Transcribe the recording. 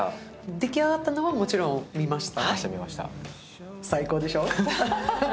出来上がったのはもちろん見ました？